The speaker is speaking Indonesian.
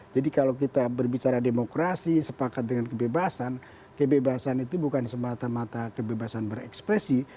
jadi kalau kita berbicara demokrasi sepakat dengan kebebasan kebebasan itu bukan semata mata kebebasan berekspresi